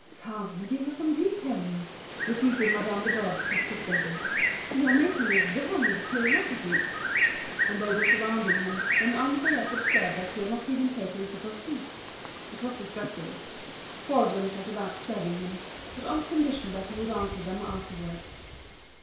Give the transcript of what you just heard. "Come, give us some details," repeated Madame de Boves, persistently. "You are making us die of curiosity." And they were surrounding him, when Henriette observed that he had not even taken a cup of tea. It was distressing. Four of them set about serving him, but on condition that he would answer them afterwards.